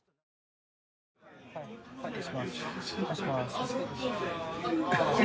はい。